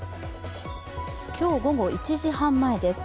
今日午後１時半前です。